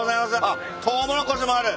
あっトウモロコシもある。